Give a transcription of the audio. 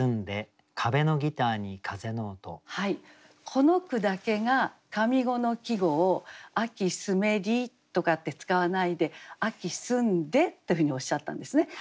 この句だけが上五の季語を「秋澄めり」とかって使わないで「秋澄んで」ってふうにおっしゃったんですね。